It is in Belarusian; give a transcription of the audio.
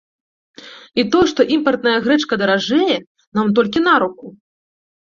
І тое, што імпартная грэчка даражэе, нам толькі на руку!